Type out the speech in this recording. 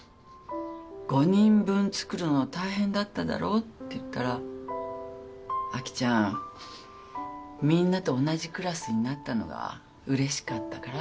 ５人分作るの大変だっただろうって言ったらアキちゃん「みんなと同じクラスになったのがうれしかったから」